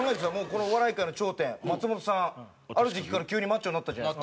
このお笑い界の頂点松本さんある時期から急にマッチョになったじゃないですか。